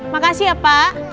makasih ya pak